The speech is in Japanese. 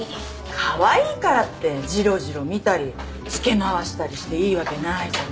カワイイからってじろじろ見たり付け回したりしていいわけないじゃない。